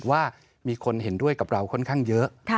ว่ามีคนเห็นด้วยกับเราค่อนข้างเยอะ